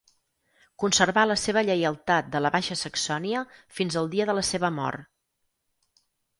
Conservà la seva lleialtat de la Baixa Saxònia fins al dia de la seva mort.